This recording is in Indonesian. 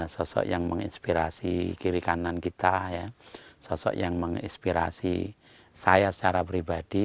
sosok yang menginspirasi kiri kanan kita sosok yang menginspirasi saya secara pribadi